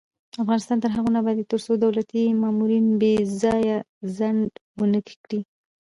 افغانستان تر هغو نه ابادیږي، ترڅو دولتي مامورین بې ځایه ځنډ ونه کړي.